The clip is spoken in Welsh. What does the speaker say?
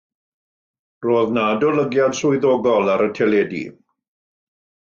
Roedd yna adolygiad swyddogol ar y teledu.